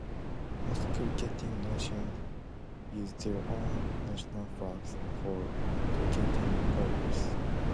Most cricketing nations use their own national flags for cricketing purposes.